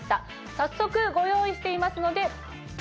早速ご用意していますので。